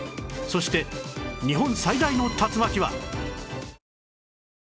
そして日本最大の竜巻は？